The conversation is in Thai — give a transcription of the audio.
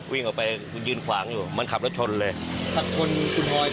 วิ่งออกไปคุณยืนขวางอยู่มันขับรถชนเลยขับชนคุณบอย